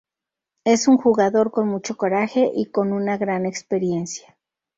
Es un jugador con mucho coraje y con una gran experiencia.